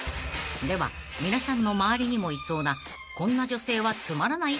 ［では皆さんの周りにもいそうなこんな女性はつまらない？］